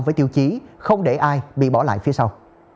với tiêu chí không để ai bị bỏ lại phía sau